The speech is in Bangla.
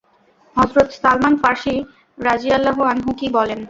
হযরত সালমান ফার্সী রাযিয়াল্লাহু আনহু কি বলেন।